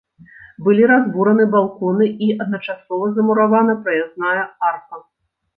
Былі разбураны балконы і адначасова замуравана праязная арка.